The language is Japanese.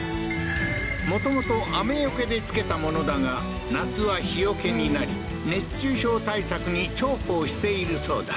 もともと雨除けで付けたものだが夏は日除けになり熱中症対策に重宝しているそうだ